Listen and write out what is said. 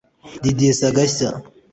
Didier Sagashya